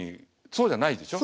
そうじゃないです。